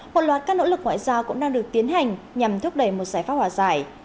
một loạt các nỗ lực ngoại giao cũng đang được tiến hành nhằm thúc đẩy một giải pháp hòa giải